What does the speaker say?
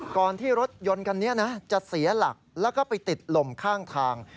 ก่อนที่รถยนต์คันนี้นะจะเสียหลักแล้วก็ไปติดลมข้างทาง